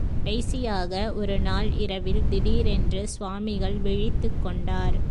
கடைசியாக ஒரு நாள் இரவில் திடீரென்று சுவாமிகள் விழித்துக் கொண்டார்.